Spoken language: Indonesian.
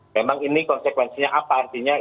memang ini konsekuensinya apa